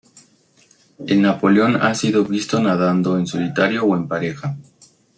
El Napoleón ha sido visto nadando en solitario o en pareja.